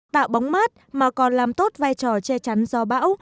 tạo bóng mát mà còn làm tốt vai trò che chắn gió bão